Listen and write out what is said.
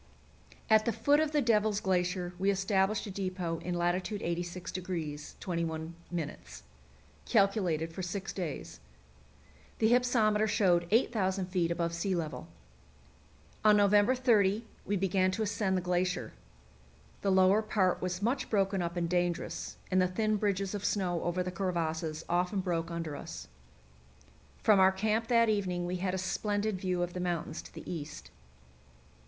At the foot of the Devil's Glacier we established a depot in lat. 86° 21', calculated for six days. The hypsometer showed 8,000 feet above sea level. On November 30 we began to ascend the glacier. The lower part was much broken up and dangerous, and the thin bridges of snow over the crevasses often broke under us. From our camp that evening we had a splendid view of the mountains to the east.